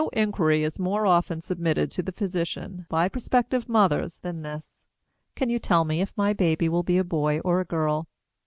No inquiry is more often submitted to the physician by prospective mothers than this, "Can you tell me if my baby will be a boy or a girl?"